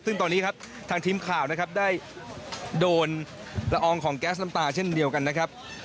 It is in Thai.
ซึ่งตอนนี้ครับทางทีมข่าวนะครับได้โดนละอองของแก๊สน้ำตาเช่นเดียวกันนะครับ